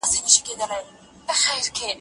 د فردي او اجتماعي مسایلو ترمنځ اړیکې مهمې دي.